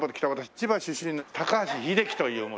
千葉出身の高橋英樹と申します。